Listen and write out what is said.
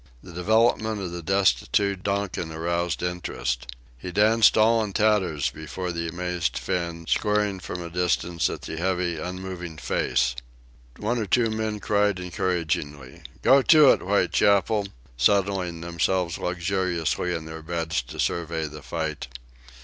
The development of the destitute Donkin aroused interest. He danced all in tatters before the amazed Finn, squaring from a distance at the heavy, unmoved face. One or two men cried encouragingly: "Go it, Whitechapel!" settling themselves luxuriously in their beds to survey the fight.